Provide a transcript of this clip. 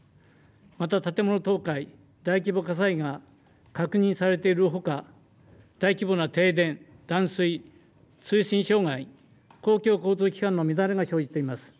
また建物倒壊、大規模火災が確認されているほか、大規模な停電、断水、通信障害、公共交通機関の乱れが生じています。